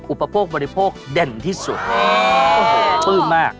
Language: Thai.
อุปโภคบริโภคเด่นที่สุดชื่อมาก